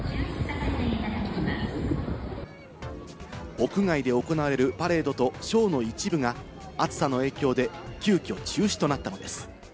屋外で行われるパレードとショーの一部が暑さの影響で急きょ中止となったのです。